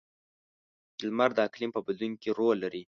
• لمر د اقلیم په بدلون کې رول لري.